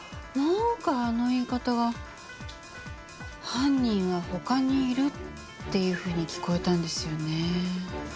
なんかあの言い方が犯人は他にいるっていうふうに聞こえたんですよね。